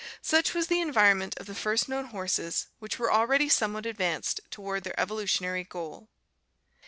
Such natural size. (After was the environment of the first known horses ' rom which were already somewhat advanced toward their evolution ary goal.